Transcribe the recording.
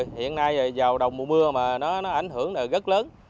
hiện nay vào đầu mùa mưa mà nó ảnh hưởng là rất lớn